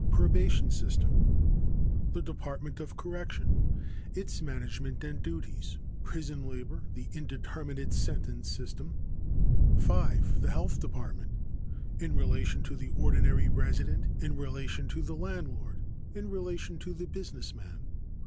Probation system. The Department of Correction. Its management and duties. Prison labor. The indeterminate sentence system. 5. The Health Department. (a) In relation to the ordinary resident. (b) In relation to the landlord. (c) In relation to the business man.